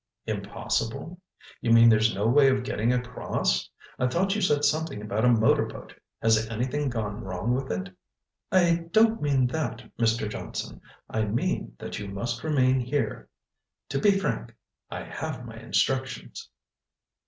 "Impossible? You mean there's no way of getting across? I thought you said something about a motor boat—has anything gone wrong with it?" "I don't mean that, Mr. Johnson. I mean that you must remain here. To be frank—I have my instructions."